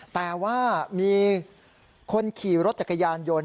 แต่ว่ามีคนขี่รถจักรยานยนต์